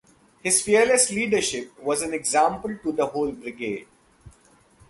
His fearless leadership was an example to the whole brigade.